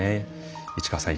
市川さん